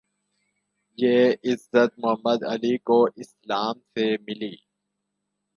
یہ عزت Muhammad Ali کو اسلام سے ملی